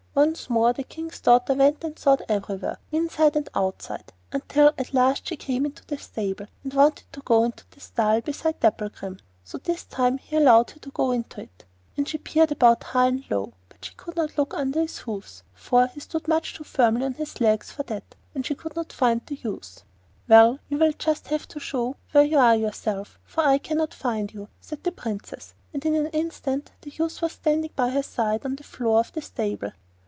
Once more the King's daughter went and sought everywhere, inside and outside, until at last she came into the stable, and wanted to go into the stall beside Dapplegrim. So this time he allowed her to go into it, and she peered about high and low, but she could not look under his hoofs, for he stood much too firmly on his legs for that, and she could not find the youth. 'Well, you will just have to show where you are yourself, for I can't find you,' said the Princess, and in an instant the youth was standing by her side on the floor of the stable.